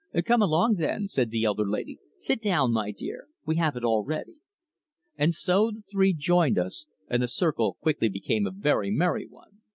"Come along, then," said the elder lady. "Sit down, my dear. We have it all ready." And so the three joined us, and the circle quickly became a very merry one.